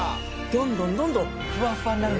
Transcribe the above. どんどんどんどんフワフワになるんですよ。